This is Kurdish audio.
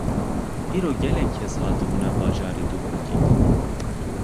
îro gelek kes hatibûne bajarê Duhokê